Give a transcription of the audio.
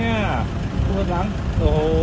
นี่ไม่ธรรมดาน่ะเนี่ย